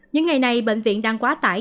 những ngày này bệnh viện đang quá tải